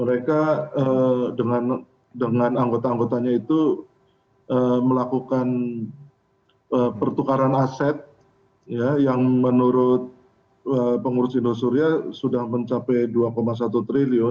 mereka dengan anggota anggotanya itu melakukan pertukaran aset yang menurut pengurus indosuria sudah mencapai rp dua satu triliun